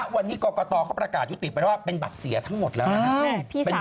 วันนี้กรกตเขาประกาศยุติไปว่าเป็นบัตรเสียทั้งหมดแล้วนะครับ